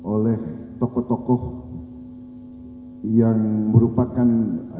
oleh tokoh tokoh yang merupakan